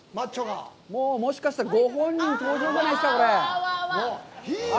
もう、もしかしたらご本人登場じゃないですか？